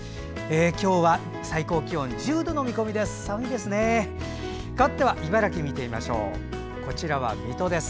今日は最高気温１０度の見込みです。